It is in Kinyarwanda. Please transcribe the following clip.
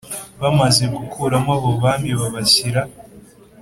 Bamaze gukuramo abo bami babashyira